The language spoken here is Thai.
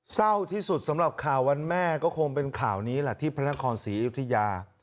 เศร้าที่สุดสำหรับข่าววันแม่ก็คงเป็นข่าวนี้แหละที่พระนครศรีอยุธยา